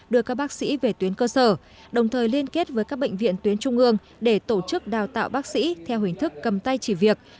đưa các bác sĩ về tuyến cơ sở đồng thời liên kết với các bệnh viện tuyến trung ương để tổ chức đào tạo bác sĩ theo hình thức cầm tay chỉ việc